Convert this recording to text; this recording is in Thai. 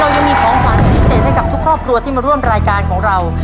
ยังมีของขวัญพิเศษให้กับทุกครอบครัวที่มาร่วมรายการของเรา